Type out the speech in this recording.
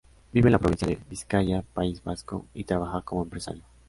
Vive en la Provincia de Vizcaya, País Vasco, y trabaja como empresario.